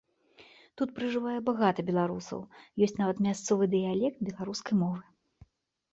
Тут пражывае багата беларусаў, ёсць нават мясцовы дыялект беларускай мовы.